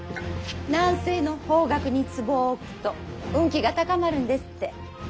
南西の方角に壺を置くと運気が高まるんですって。